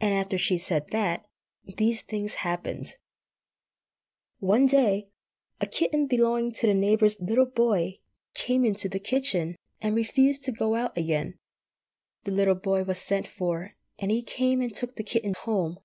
And after she had said that, these things happened: One day a kitten belonging to the neighbour's little boy came into the kitchen, and refused to go out again. The little boy was sent for, and he came and took the kitten home.